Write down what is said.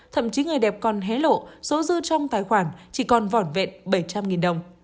thậm chí người đẹp còn hé lộ số dư trong tài khoản chỉ còn vỏn vẹn bảy trăm linh đồng